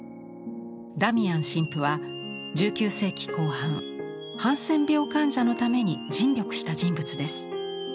ダミアン神父は１９世紀後半ハンセン病患者のために尽力した人物です。